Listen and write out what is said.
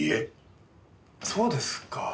そうですか。